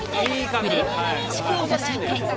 プレミアム民宿をご紹介。